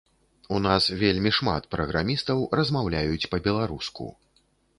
У нас вельмі шмат праграмістаў размаўляюць па-беларуску.